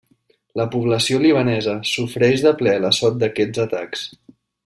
La població libanesa sofreix de ple l'assot d'aquests atacs.